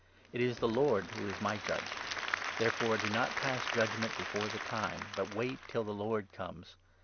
It is the Lord who is my judge. Therefore do not 5 pass judgement before the time, but wait till the Lord comes.